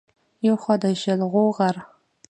يو خوا د شلخو غر